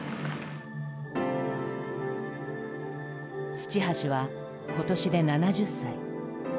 土橋は今年で７０歳。